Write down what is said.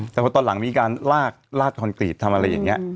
แต่พอตอนหลังมีการลากคอนกรีตทำอะไรอย่างนี้